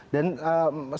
dan satu kelompok